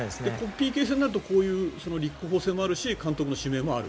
ＰＫ戦になったらこういう立候補制もあるし監督の指名もある？